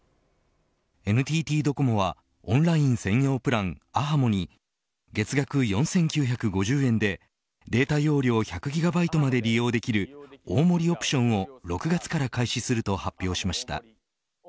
ＮＴＴドコモはオンライン専用プランａｈａｍｏに月額４９５０円でデータ容量１００ギガバイトまで利用できる大盛りオプションを、６月から開始すると発表しました。